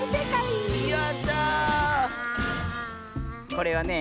これはねえ